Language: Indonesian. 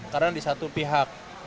karena di satu pihak